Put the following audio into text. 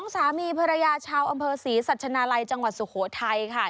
สามีภรรยาชาวอำเภอศรีสัชนาลัยจังหวัดสุโขทัยค่ะ